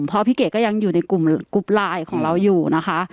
เพราะพี่เก๋ก็ยังอยู่ในกลุ่มกรุ๊ปไลน์ของเราอยู่นะคะ